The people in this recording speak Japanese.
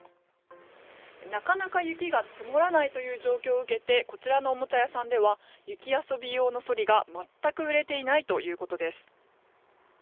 なかなか雪が積もらないという状況を受けてこちらのおもちゃ屋さんでは雪遊び用のそりが全く売れていないということです。